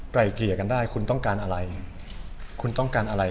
ไกล่เกลี่ยกันได้คุณต้องการอะไร